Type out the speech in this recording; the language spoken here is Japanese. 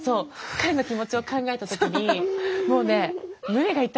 彼の気持ちを考えた時にもうね胸が痛いの。